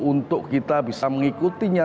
untuk kita bisa mengikutinya